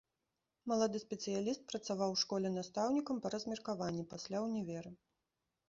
Малады спецыяліст працаваў у школе настаўнікам па размеркаванні, пасля ўнівера.